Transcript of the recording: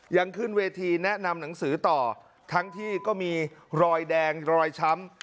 ยังขึ้นเวทีแนะนำหนังสือต่อทั้งที่ก็มีรอยแดงรอยช้ำ